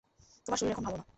তোমার শরীর এখন ভালো না।